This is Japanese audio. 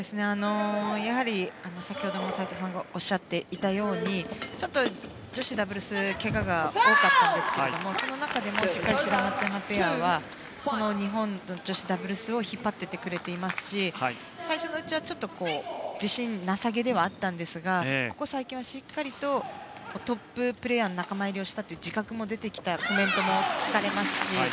やはり、先ほども斎藤さんがおっしゃっていたようにちょっと女子ダブルスはけがが多かったんですけどもその中でもしっかりと志田、松山ペアは日本女子ダブルスを引っ張ってくれていますし最初のうちは自信なさげではあったんですがここ最近はしっかりとトッププレーヤーの仲間入りをしたという自覚も出てきたコメントも聞かれますし。